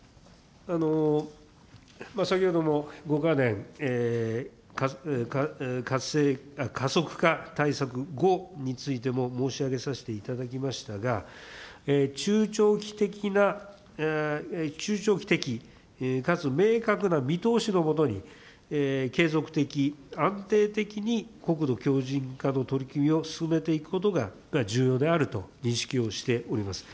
先ほども５か年加速化対策後についても、申し上げさせていただきましたが、中長期的な、中長期的かつ明確な見通しのもとに、継続的、安定的に国土強靭化の取り組みを進めていくことが重要であると認識をしております。